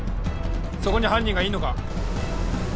そこに犯人がいんのか？